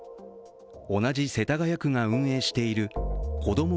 同じ世田谷区が運営している子ども